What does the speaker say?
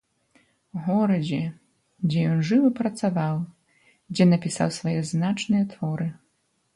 Горадзе, дзе ён жыў і працаваў, дзе напісаў свае значныя творы.